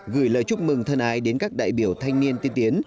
gửi lời chúc mừng thân ái đến các đại biểu thanh niên tiên tiến